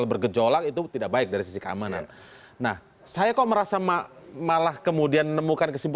besarkan masa ini